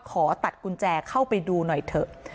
ขอตัดกุญแจเข้าไปดูหน่อยเถอะ